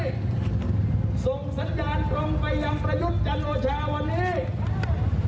ส่งสัญญาณตรงไปยังประยุทธ์จันโอชาวันนี้